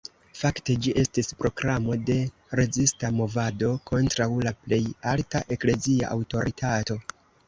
Fakte ĝi estis proklamo de rezista movado kontraŭ la plej alta eklezia aŭtoritato.